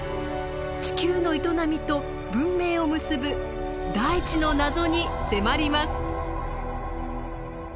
地球の営みと文明を結ぶ大地の謎に迫ります。